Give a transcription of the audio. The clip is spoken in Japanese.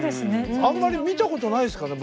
あんまり見たことないですから僕ら。